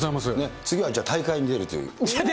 次はじゃあ、大会に出るという？